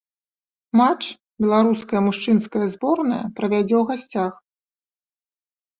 Матч беларуская мужчынская зборная правядзе ў гасцях.